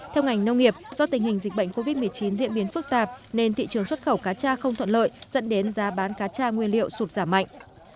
theo ngành nông nghiệp do tình hình dịch bệnh covid một mươi chín diễn biến phức tạp nên thị trường xuất khẩu cá cha không thuận lợi dẫn đến giá bán cá cha nguyên liệu sụt giảm mạnh